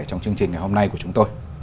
trong chương trình ngày hôm nay của chúng tôi